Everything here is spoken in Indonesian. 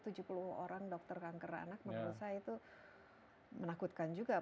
tapi kalau hanya enam puluh tujuh puluh orang dokter kanker anak memperusaha itu menakutkan juga